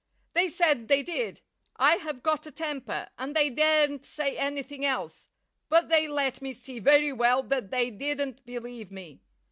They said they did; I have got a temper, and they daren't say anything else; but they let me see very well that they didn't believe me.